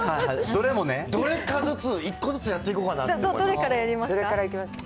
どれかずつ、一個ずつやっていこうかなって思いました。